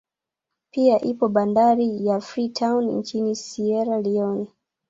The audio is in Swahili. Pia ipo bandari ya Free town nchini Siera Lione